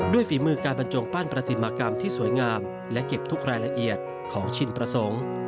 ฝีมือการบรรจงปั้นประติมากรรมที่สวยงามและเก็บทุกรายละเอียดของชินประสงค์